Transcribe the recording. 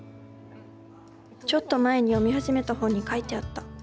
ちょっと前に読み始めた本に書いてあった。